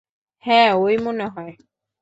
হ্যাঁ, ওই মনে হয়।